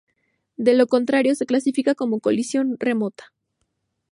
De lo contrario, se clasifica como colisión remota.